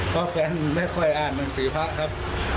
เพราะแฟนไม่ค่อยอ่านหนังสือพระครับ